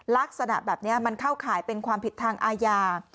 ลักษณะแบบนี้มันเข้าข่ายเป็นความผิดทางอาญา